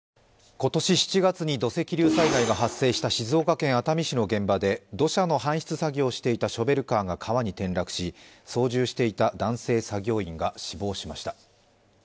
今年７月に土石流災害が発生した静岡県熱海市の現場で土砂の搬出作業をしていたショベルカーが川に転落し操縦していた男性作業員が死亡しました。